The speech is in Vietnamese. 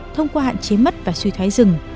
thông qua hạn chế mất và suy thoái rừng